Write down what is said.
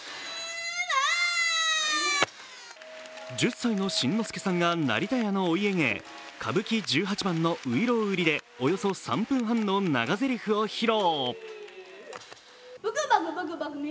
１０歳の新之助さんが成田屋のお家芸、歌舞伎十八番の外郎売でおよそ３分半の長ぜりふを披露。